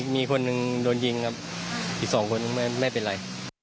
มีคนหนึ่งโดนยิงครับอีกสองคนไม่เป็นไร